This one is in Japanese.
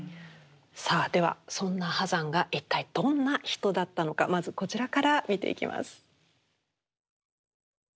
さあではそんな波山が一体どんな人だったのかまずこちらから見ていきます。